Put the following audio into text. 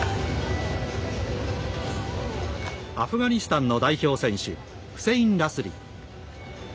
アフガニスタンの代表選手フセイン・ラスリ。